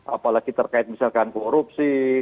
apalagi terkait misalkan korupsi